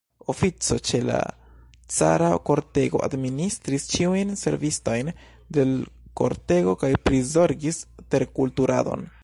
Ofico, ĉe la cara kortego, administris ĉiujn servistojn de l' kortego kaj prizorgis terkulturadon.